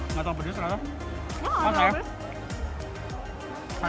lihat kan pedes lihat kan